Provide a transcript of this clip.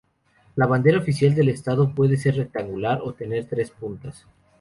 La bandera oficial del Estado puede ser rectangular o tener tres puntas.